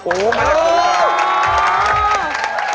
โอ้โฮมนุราพิษนุก